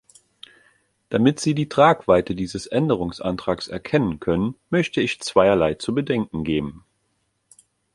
Damit Sie die Tragweite dieses Änderungsantrags erkennen können, möchte ich zweierlei zu bedenken geben.